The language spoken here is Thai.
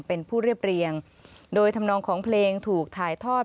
เป็นผู้เรียบเรียงโดยธรรมนองของเพลงถูกถ่ายทอด